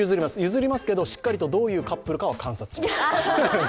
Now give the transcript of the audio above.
譲りますけど、しっかりとどういうカップルかは観察します。